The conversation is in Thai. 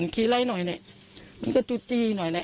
ขี้ไร้หน่อยเหล่ะสอยก็จุ๊จี้หน่อยเหล่ะ